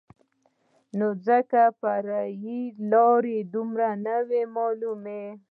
ځکه نو فرعي لارې دومره نه وې رامعلومې.